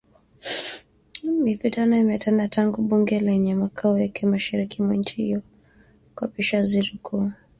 Mivutano imetanda tangu bunge lenye makao yake mashariki mwa nchi hiyo kumwapisha Waziri Mkuu